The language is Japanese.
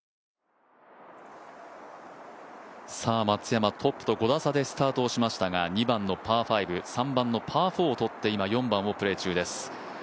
松山、トップと５打差でスタートしましたが２番のパー５、３番のパー４を取って今、４番をプレー中です。